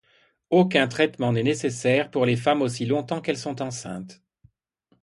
Aucun traitement n'est nécessaire pour les femmes aussi longtemps qu'elles sont enceintes.